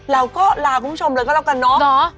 เราก็ลาคุณผู้ชมเลยก็แล้วกันเนาะ